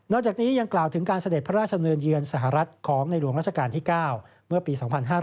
จากนี้ยังกล่าวถึงการเสด็จพระราชดำเนินเยือนสหรัฐของในหลวงราชการที่๙เมื่อปี๒๕๕๙